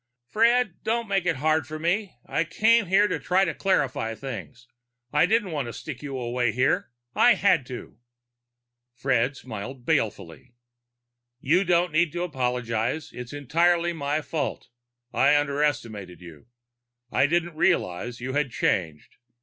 "Fred, don't make it hard for me. I came here to try to clarify things. I didn't want to stick you away here. I had to." Fred smiled balefully. "You don't need to apologize. It was entirely my fault. I underestimated you; I didn't realize you had changed.